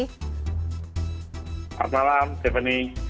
selamat malam stephanie